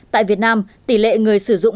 tại việt nam tỷ lệ người sử dụng